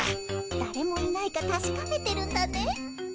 だれもいないかたしかめてるんだね。